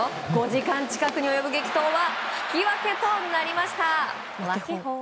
５時間近くに及ぶ激闘は引き分けとなりました。